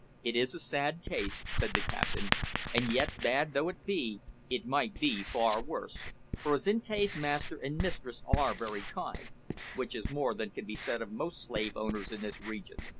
"It is a sad case," said the captain, "and yet bad though it be, it might be far worse, for Azinte's master and mistress are very kind, which is more than can be said of most slave owners in this region."